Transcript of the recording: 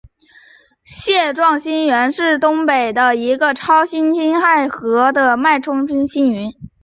蟹状星云东北面的一个超新星残骸和脉冲风星云。